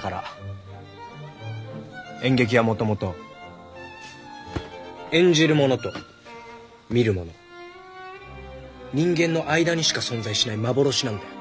演劇はもともと演じる者と見る者人間の間にしか存在しない幻なんだよ。